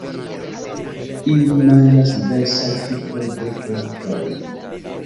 Ili manĝas diversaj tipoj de plantoj.